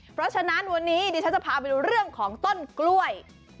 เพราะฉะนั้นวันนี้ดิฉันจะพาไปดูเรื่องของต้นกล้วย